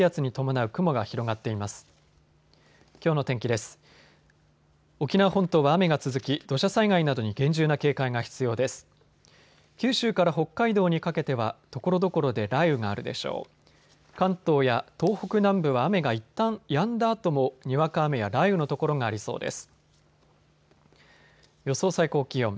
関東や東北南部は雨がいったんやんだあともにわか雨や雷雨の所がありそうです。